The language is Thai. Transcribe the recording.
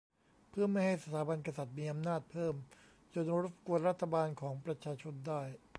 เพื่อไม่ให้สถาบันกษัตริย์มีอำนาจเพิ่มจนรบกวนรัฐบาลของประชาชนได้